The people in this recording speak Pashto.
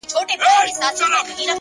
پوه انسان د بدلون هرکلی کوي,